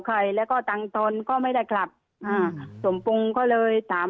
ใครแล้วก็ตังค์ตอนก็ไม่ได้กลับอ่าสมปงก็เลยถาม